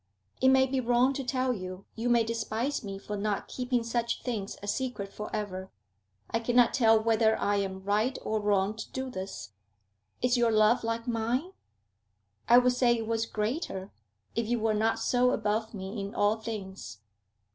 It may be wrong to tell you you may despise me for not keeping such things a secret for ever. I cannot tell whether I am right or wrong to do this. Is your love like mine?' 'I would say it was greater, if you were not so above me in all things.'